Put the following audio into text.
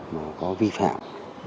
mà có vi phạm